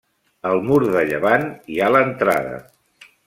Al mur de llevant hi ha l'entrada.